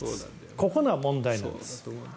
ここの問題なんです。